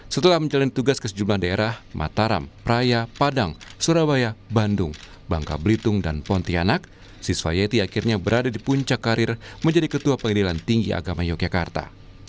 setelah menjalani tugas ke sejumlah daerah mataram praya padang surabaya bandung bangka belitung dan pontianak siswa yeti akhirnya berada di puncak karir menjadi ketua pengadilan tinggi agama yogyakarta